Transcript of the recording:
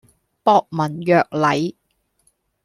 博文約禮